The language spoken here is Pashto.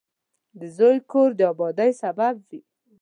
• زوی د کور د آبادۍ سبب وي.